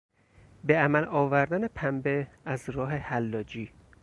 به عمل آوردن پنبه از راه حلاجی